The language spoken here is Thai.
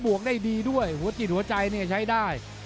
บวกได้ดีด้วยหัวจิตหัวใจใช้ได้